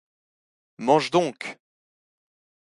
Mange donc!